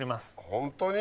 ホントに？